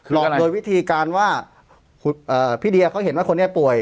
หลอกโดยวิธีพี่เดียเขาเห็นว่าคนนี้เป็นคนป่วย